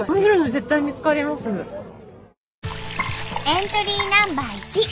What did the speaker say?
エントリーナンバー１。